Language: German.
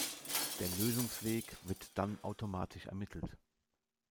Der Lösungsweg wird dann automatisch ermittelt.